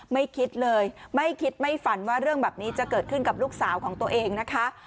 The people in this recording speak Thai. ไม่คิดเลยไม่คิดไม่ฝันว่าเรื่องแบบนี้จะเกิดขึ้นกับลูกสาวของตัวเองนะคะ